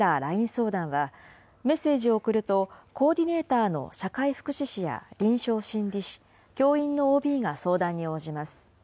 相談は、メッセージを送ると、コーディネーターの社会福祉士や臨床心理士、教員のＯＢが相談に応じます。